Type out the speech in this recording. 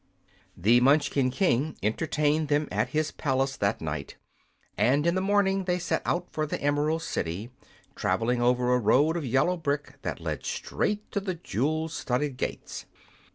The Munchkin king entertained them at his palace that night, and in the morning they set out for the Emerald City, travelling over a road of yellow brick that led straight to the jewel studded gates.